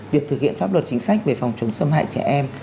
việc thực hiện pháp luật chính sách về phòng chống xâm hại trẻ em